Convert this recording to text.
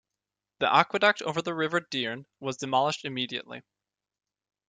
The aqueduct over the River Dearne was demolished immediately.